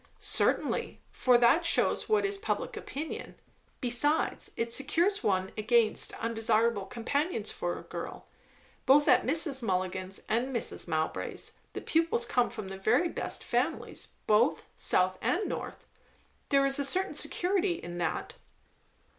"Certainly; for that shews what is public opinion. Besides, it secures one against undesirable companions for a girl. Both at Mrs. Mulligan's and Mrs. Mowbray's the pupils come from the very best families, both South and North. There is a certain security in that."